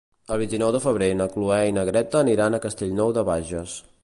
El vint-i-nou de febrer na Cloè i na Greta aniran a Castellnou de Bages.